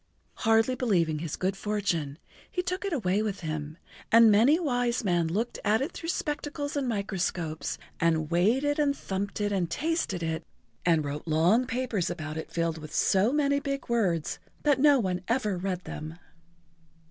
Hardly believing his good fortune, he took it away with him, and many wise men looked at it through spectacles and microscopes, and weighed it and thumped it and tasted it and wrote long papers about it filled with so many big words that no one ever read them.